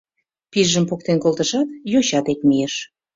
Пийжым поктен колтышат, йоча дек мийыш.